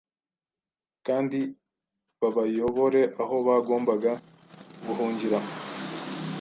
kandi babayobore aho bagomba guhungira.